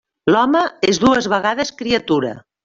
L'home és dues vegades criatura.